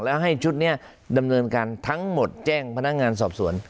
แล้วให้ชุดนี้ดำเนินการทั้งหมดแจ้งพนักงานสอบสวน